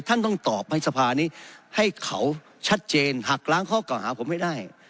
ท่านต้องตอบให้สภานี้ให้เขาชัดเจนหักล้างข้อเก่าหาผมให้ได้